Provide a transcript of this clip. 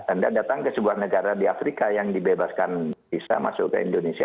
anda datang ke sebuah negara di afrika yang dibebaskan bisa masuk ke indonesia